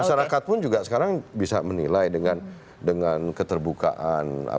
masyarakat pun juga sekarang bisa menilai dengan dengan keterbukaan apa ya